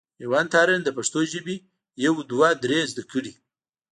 مېوند تارڼ د پښتو ژبي يو دوه درې زده کړي.